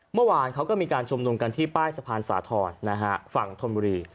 เมื่อวานเขาก็มีการชุมนุมกันที่ป้ายสะพานสาธรณ์ฝั่งธนบุรี